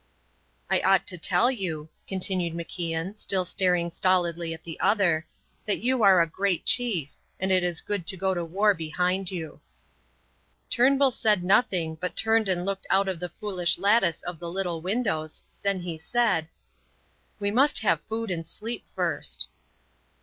"I ought to tell you," continued MacIan, still staring stolidly at the other, "that you are a great chief, and it is good to go to war behind you." Turnbull said nothing, but turned and looked out of the foolish lattice of the little windows, then he said, "We must have food and sleep first."